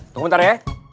tunggu bentar ya